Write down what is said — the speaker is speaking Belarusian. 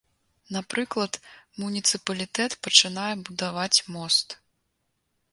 Напрыклад, муніцыпалітэт пачынае будаваць мост.